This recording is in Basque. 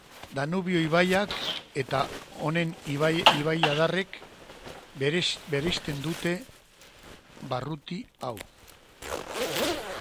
Danubio ibaiak eta honen ibaiadarrek bereizten dute barruti hau.